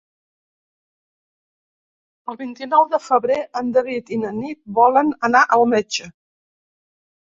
El vint-i-nou de febrer en David i na Nit volen anar al metge.